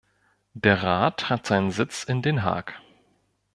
Der Rat hat seinen Sitz in Den Haag.